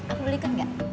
aku dulu ikut nggak